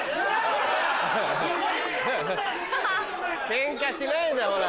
・ケンカしないでほら。